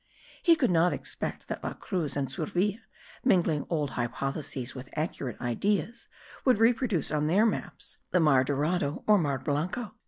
He could not expect that La Cruz and Surville, mingling old hypotheses with accurate ideas, would reproduce on their maps the Mar Dorado or Mar Blanco.